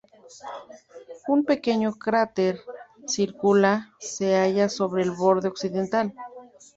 Un pequeño cráter circular se halla sobre el borde occidental.